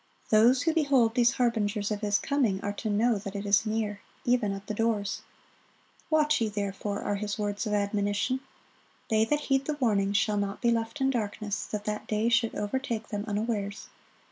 (52) Those who behold these harbingers of His coming are to "know that it is near, even at the doors."(53) "Watch ye therefore,"(54) are His words of admonition. They that heed the warning shall not be left in darkness, that that day should overtake them unawares.